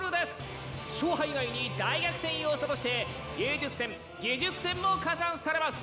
勝敗以外に大逆転要素として芸術点技術点も加算されます！